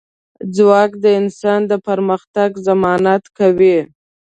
ځواک د انسان د پرمختګ ضمانت کوي.